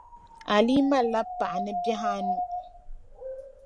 Ahi mali la paɣa ni bihi anu.